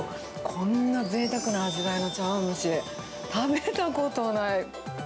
こんなぜいたくな味わいの茶わん蒸し、食べたことない。